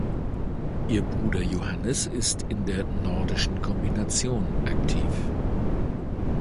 Ihr Bruder Johannes ist in der Nordischen Kombination aktiv.